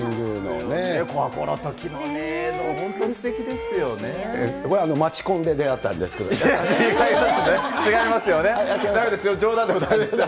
このときの映像、本当にすて街コンで出会ったんですけど違いますね、違いますよね。